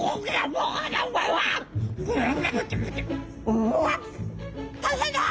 「うわ大変だ！」。